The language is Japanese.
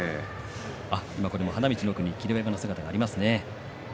花道に霧馬山の姿があります。